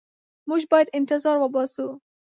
موږ باید انتظار وباسو.